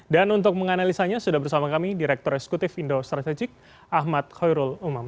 dan untuk menganalisanya sudah bersama kami direktur eksekutif indo strategik ahmad khoyrul umam